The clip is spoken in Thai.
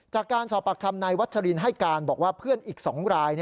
จากการสอบปากคำนายวัชรินให้การบอกว่าเพื่อนอีก๒ราย